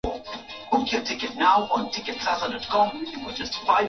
Huku kwetu kunanyesha